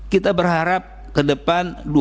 kita berharap kedepan dua puluh ini benar benar dikawal